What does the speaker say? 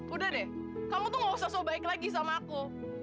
udah deh kamu tuh gak usah sobaik lagi sama aku